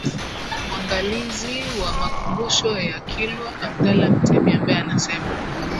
Mwangalizi wa makumbusho ya Kilwa Abdallah Mtemi ambaye anasema